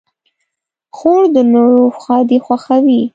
خور د نورو ښادۍ خوښوي.